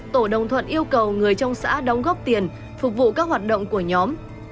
tổ đồng thuận yêu cầu người trong xã đóng góp tiền phục vụ các hoạt động của nhóm